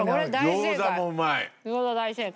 餃子もうまい。